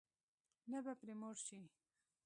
نه به پرې موړ شې.